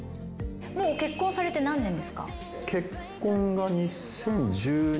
結婚されて何年ですか？